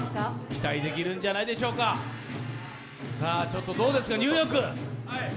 期待できるんじゃないでしょうか、どうですか、ニューヨーク。